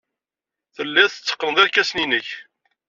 Telliḍ tetteqqneḍ irkasen-nnek.